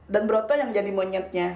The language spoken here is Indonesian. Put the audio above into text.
dan broto yang jadi monyetnya